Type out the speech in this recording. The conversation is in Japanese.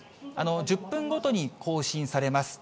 １０分ごとに更新されます。